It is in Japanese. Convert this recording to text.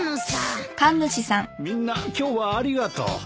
みんな今日はありがとう。